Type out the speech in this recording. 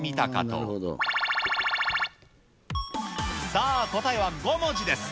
さあ、答えは５文字です。